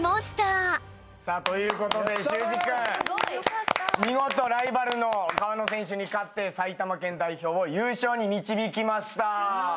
君見事ライバルの川野選手に勝って埼玉県代表を優勝に導きました。